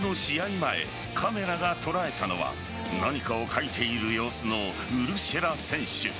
前カメラが捉えたのは何かを書いている様子のウルシェラ選手。